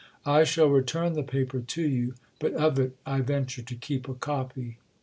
I shall return the paper to you: but of it I venture to keep a copy....